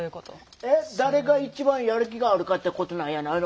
えっ誰が一番やる気があるかってことなんやないの？